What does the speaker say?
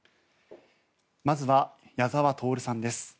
まずは矢沢透さんです。